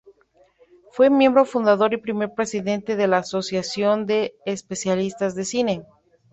Fue miembro fundador y primer presidente de la Asociación de especialistas de cine.